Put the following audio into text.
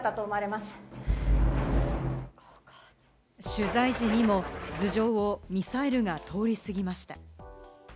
取材時にも頭上をミサイルが通り過ぎました。